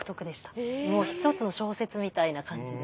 もう一つの小説みたいな感じで。